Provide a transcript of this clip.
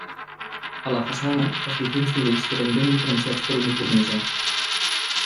A la façana els diferents nivells queden ben diferenciats per una cornisa.